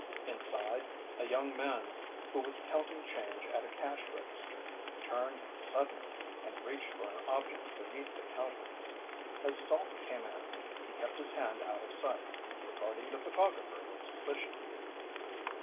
Inside, a young man who was counting change at a cash register, turned suddenly and reached for an object beneath the counter. As Salt came in, he kept his hand out of sight, regarding the photographer with suspicion.